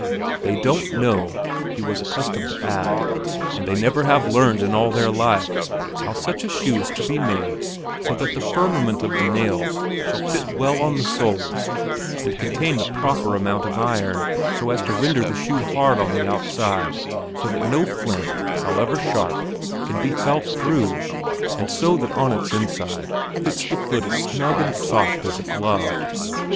"They don't know," he was accustomed to add, "and they have never learned it in all their life, how such a shoe is to be made so that the firmament of the nails shall fit well on the soles and contain the proper amount of iron, so as to render the shoe hard on the outside, so that no flint, however sharp, can be felt through, and so that it on its inside fits the foot as snug and soft as a glove."